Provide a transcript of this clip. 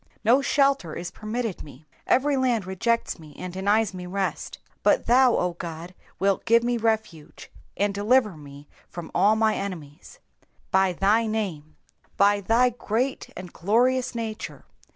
No shelter is permitted me. Every land rejects me and denies me rest. But thou, O God, wilt give me refuge, and deliver me from all my enemies. ^^ By thy name,^^ by thy great and glorious nature.